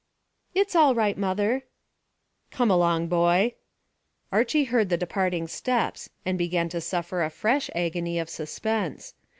"It's all right, mother." "Come along, boy." Archy heard the departing steps, and began to suffer a fresh agony of suspense.